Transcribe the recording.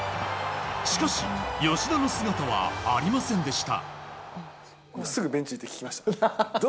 しかし、吉田の姿はありませんでした。